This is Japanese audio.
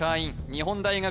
日本大学